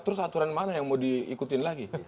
terus aturan mana yang mau diikutin lagi